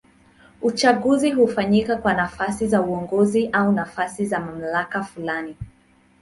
Uchaguzi hufanyika kwa nafasi za uongozi au nafasi za mamlaka fulani.